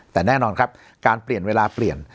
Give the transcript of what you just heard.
แต่แน่นอนครับการเปลี่ยนเวลาเปลี่ยน